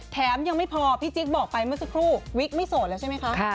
แถมยังไม่พอพี่จิ๊กบอกไปเมื่อสักครู่วิกไม่โสดแล้วใช่ไหมคะ